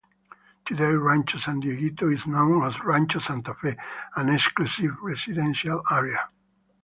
Today Rancho San Dieguito is known as Rancho Santa Fe, an exclusive residential area.